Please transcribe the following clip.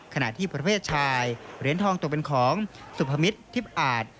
ขณะที่ประเภทชายเหรียญทองตกเป็นของสุพมิตรทิพย์อาจ